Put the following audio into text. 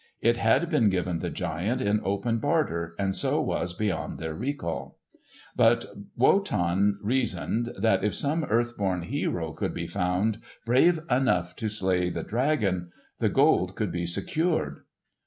It had been given the giant in open barter and so was beyond their recall. But Wotan reasoned that if some earth born hero could be found brave enough to slay the dragon, the Gold could be secured.